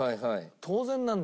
当然なんです。